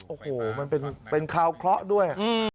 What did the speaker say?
โอ้โหมันเป็นคราวเคราะห์ด้วย